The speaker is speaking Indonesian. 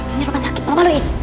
ini rumah sakit permaluin